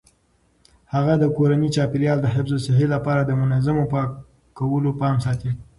هغې د کورني چاپیریال د حفظ الصحې لپاره د منظمو پاکولو پام ساتي.